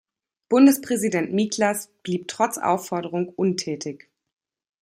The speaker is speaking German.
Bundespräsident Miklas blieb trotz Aufforderung untätig.